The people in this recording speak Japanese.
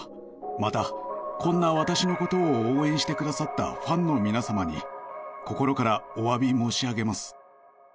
また、こんな私のことを応援してくださったファンの皆様に心からおわび申し上げます。